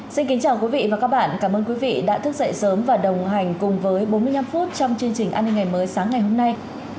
xin kính chào quý vị và các bạn cảm ơn quý vị đã thức dậy sớm và đồng hành cùng với bốn mươi năm phút trong chương trình an ninh ngày mới sáng ngày hôm nay